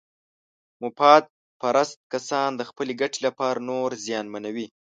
مفاد پرست کسان د خپلې ګټې لپاره نور زیانمنوي.